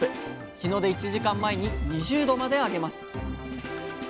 日の出１時間前に２０℃まで上げます。